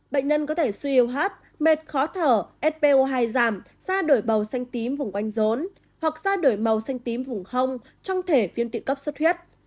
bệnh nhân có thể suy yếu hấp mệt khó thở spo hai giảm ra đổi màu xanh tím vùng oanh rốn hoặc ra đổi màu xanh tím vùng hông trong thể viên tụy cấp suốt huyết